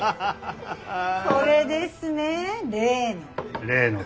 これですね例の。